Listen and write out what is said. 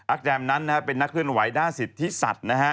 แจมนั้นเป็นนักเคลื่อนไหวด้านสิทธิสัตว์นะฮะ